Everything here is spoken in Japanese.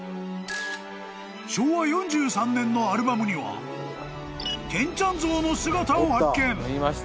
［昭和４３年のアルバムには健ちゃん像の姿を発見］